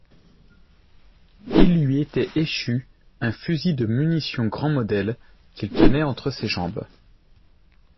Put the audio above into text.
Il lui était échu un fusil de munition grand modèle, qu'il tenait entre ses jambes.